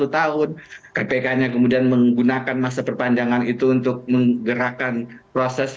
sepuluh tahun kpk nya kemudian menggunakan masa perpanjangan itu untuk menggerakkan proses